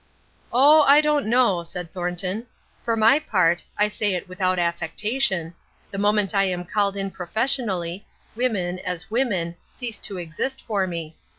"Oh, I don't know," said Thornton. "For my part I say it without affectation the moment I am called in professionally, women, as women, cease to exist for me.